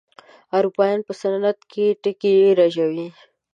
اروپايان په صنعت کې ټکي رژوي.